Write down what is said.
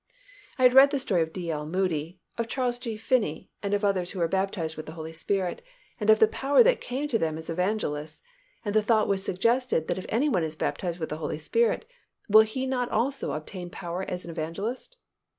I had read the story of D. L. Moody, of Charles G. Finney and of others who were baptized with the Holy Spirit, and of the power that came to them as evangelists, and the thought was suggested that if any one is baptized with the Holy Spirit will not he also obtain power as an evangelist?